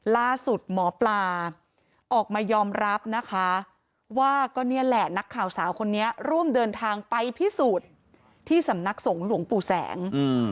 ล่าสุดหมอปลาออกมายอมรับนะคะว่าก็นี่แหละนักข่าวสาวคนนี้ร่วมเดินทางไปพิสูจน์ที่สำนักสงฆ์หลวงปู่แสง